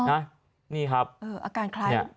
อาการใคร